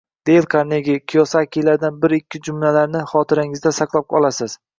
Deyl Karnegi, Kiosakilardan bir-ikki jumlalarni xotirangizga saqlab olasiz.